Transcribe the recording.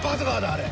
あれ。